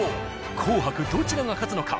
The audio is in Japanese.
紅白どちらが勝つのか。